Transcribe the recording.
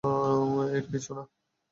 এঁর কিছু না।